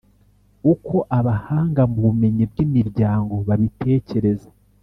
uko abahanga mu bumenyi bw’imiryango babitekereza.